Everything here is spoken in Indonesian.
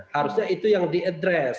harusnya itu yang diadres